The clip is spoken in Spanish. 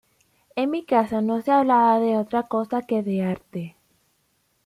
En mi casa no se hablaba de otra cosa que de arte.